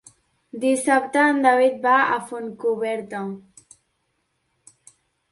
Dissabte en David va a Fontcoberta.